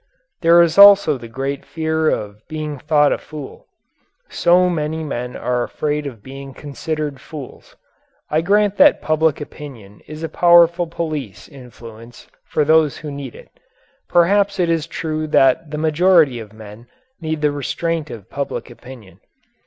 There is also the great fear of being thought a fool. So many men are afraid of being considered fools. I grant that public opinion is a powerful police influence for those who need it. Perhaps it is true that the majority of men need the restraint of public opinion.